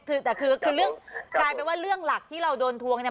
คือแต่คือเรื่องกลายเป็นว่าเรื่องหลักที่เราโดนทวงเนี่ย